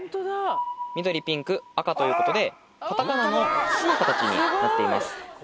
緑ピンク赤ということでカタカナの「ス」の形になっています。